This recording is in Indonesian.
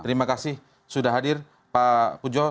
terima kasih sudah hadir pak pujo